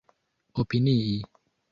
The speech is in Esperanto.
opinii